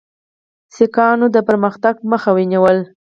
سیکهانو د پرمختګ مخه ونیوله.